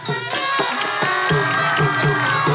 โอ้โหโอ้โหโอ้โหโอ้โห